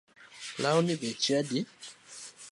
Lawni beche adi?